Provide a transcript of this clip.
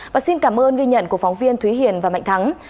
và xin cảm ơn ghi nhận của phóng viên thúy hiền và mạnh thắng